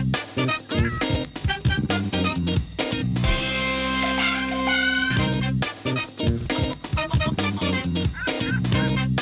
สวัสดีครับ